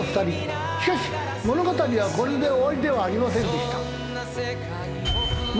しかし物語はこれで終わりではありませんでした。